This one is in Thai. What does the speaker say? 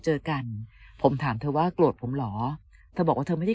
เจอกันผมถามเธอว่าโกรธผมเหรอเธอบอกว่าเธอไม่ได้